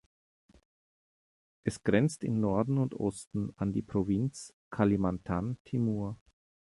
Es grenzt im Norden und Osten an die Provinz Kalimantan Timur.